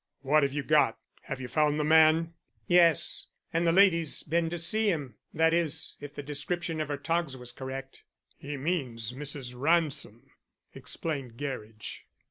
"What have you got? Have you found the man?" "Yes. And the lady's been to see him; that is, if the description of her togs was correct." "He means Mrs. Ransom," explained Gerridge.